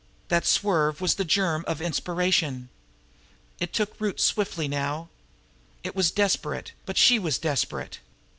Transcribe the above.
That swerve was the germ of an inspiration! It took root swiftly now. It was desperate but she was desperate.